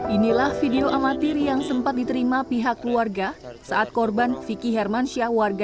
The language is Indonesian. inilah video amatir yang sempat diterima pihak keluarga saat korban vicky hermansyah warga